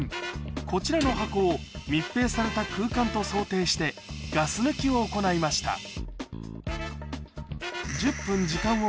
こちらの箱を密閉された空間と想定してガス抜きを行いました検証